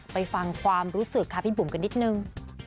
ไปฟังความรู้สึกค่ะพี่บุ๋มกันนิดนึง